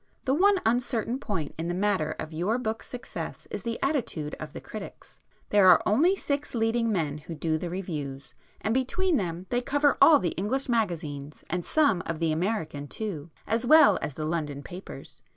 The one uncertain point in the matter of your book's success is the attitude of the critics. There are only six leading men who do the reviews, and between them they cover all the English magazines and some of the American too, as well as the London papers.